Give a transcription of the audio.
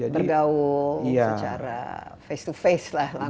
bergaul secara face to face lah